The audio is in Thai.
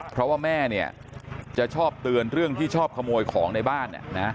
เพราะว่าแม่เนี่ยจะชอบเตือนเรื่องที่ชอบขโมยของในบ้าน